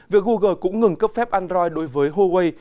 việc google cũng ngừng cấp phép android đối với huawei